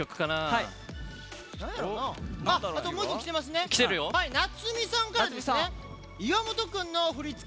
はいなつみさんからですね。